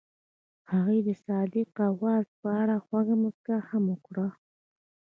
هغې د صادق اواز په اړه خوږه موسکا هم وکړه.